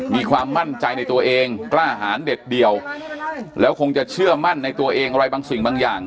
มีความมั่นใจในตัวเองกล้าหารเด็ดเดี่ยวแล้วคงจะเชื่อมั่นในตัวเองอะไรบางสิ่งบางอย่าง